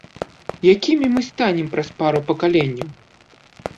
Якімі мы станем праз пару пакаленняў?